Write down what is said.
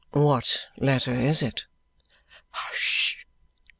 "What letter is it?" "Hush!